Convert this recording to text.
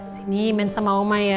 kesini main sama oma ya